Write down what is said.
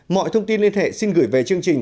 mọi thông tin liên hệ xin gửi về chương trình